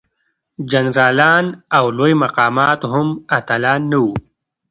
جنرالان او لوی مقامات هم اتلان نه وو.